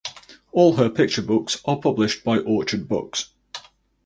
All her picture books are published by Orchard Books.